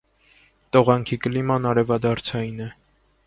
Տողանքի կլիման արևադարձային է։